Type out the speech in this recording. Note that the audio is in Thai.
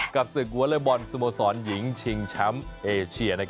กับศึกวอเลอร์บอลสโมสรหญิงชิงแชมป์เอเชีย